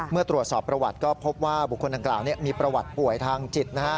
เมื่อตรวจสอบประวัติก็พบว่าบุคคลดังกล่าวมีประวัติป่วยทางจิตนะฮะ